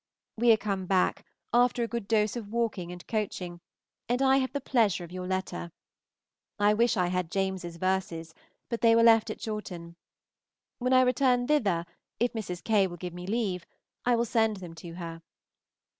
We are come back, after a good dose of walking and coaching, and I have the pleasure of your letter. I wish I had James's verses, but they were left at Chawton. When I return thither, if Mrs. K. will give me leave, I will send them to her.